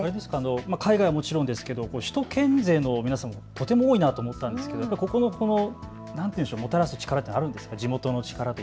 海外はもちろんですが首都圏勢の皆さん、とても多いなと思ったんですが個々にもたらす力あるんですか。